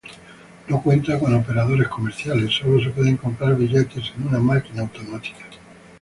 No cuenta con operadores comerciales, solo se pueden comprar billetes en una máquina automática.